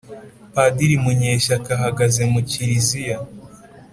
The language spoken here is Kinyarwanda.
Padiri Munyeshyaka ahagaze mu Kiliziya